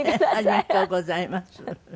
ありがとうございます。